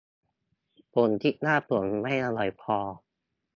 ผมคิดว่าผมไม่อร่อยพอ